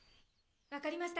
わかりました。